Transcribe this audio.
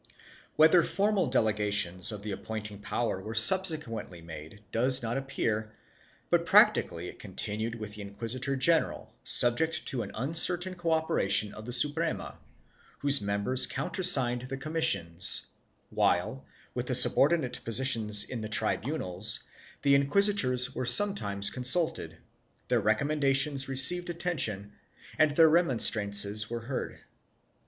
1 Whether formal delegations of the appointing power were subsequently made does not appear, but practically it con tinued with the inquisitor general, subject to an uncertain co operation of the Suprema, whose members countersigned the commissions, while, with the subordinate positions in the tri bunals, the inquisitors were sometimes consulted, their recom mendations received attention and their remonstrances were heard.